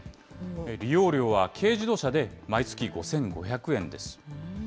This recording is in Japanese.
利用料は軽自動車で毎月５５００円です。